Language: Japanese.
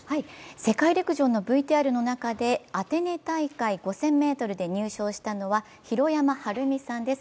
世界陸上のＶＴＲの中でアテネ大会、５０００ｍで入賞したのは弘山晴美さんです。